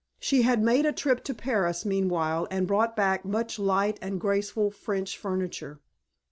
She had made a trip to Paris meanwhile and brought back much light and graceful French furniture.